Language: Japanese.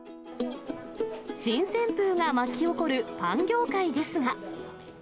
新旋風が巻き起こるパン業界ですが。